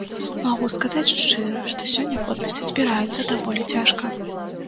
Магу сказаць шчыра, што сёння подпісы збіраюцца даволі цяжка.